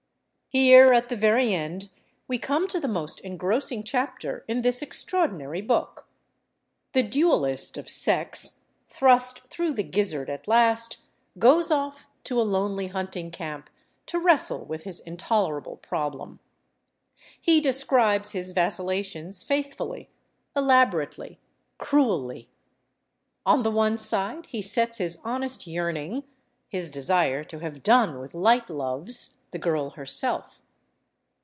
Here, at the very end, we come to the most engrossing chapter in this extraordinary book. The duelist of sex, thrust through the gizzard at last, goes off to a lonely hunting camp to wrestle with his intolerable problem. He describes his vacillations faithfully, elaborately, cruelly. On the one side he sets his honest yearning, his desire to have done with light loves, the girl herself.